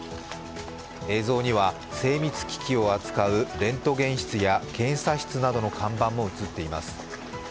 映像には精密機器を扱うレントゲン室や検査室などの看板も映っています。